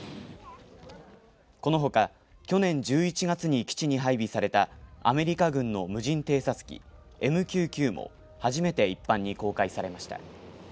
このほか去年１１月に基地に配備されたアメリカ軍の無人偵察機ＭＱ９も初めて一般に公開されました。